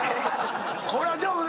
これはでもね。